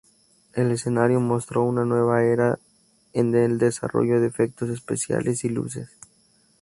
El escenario mostró una nueva era en el desarrollo de efectos especiales y luces.